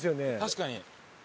確かに。